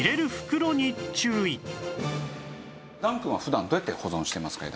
檀くんは普段どうやって保存してますか？